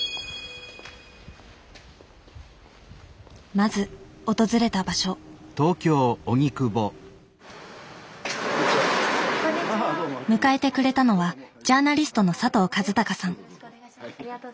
まず訪れた場所迎えてくれたのはジャーナリストの佐藤和孝さん